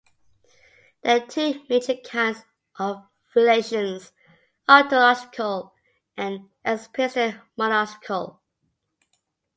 There are two major kinds of relations: ontological and epistemological.